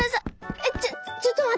「えっちょっちょっとまって！